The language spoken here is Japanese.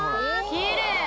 きれい！